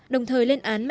đồng thời lên án mạnh mẽ